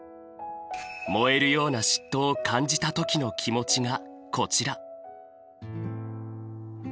燃えるような嫉妬を感じた時の気持ちがこちら。